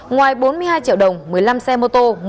ngoài bốn mươi hai triệu đồng một mươi năm xe mô tô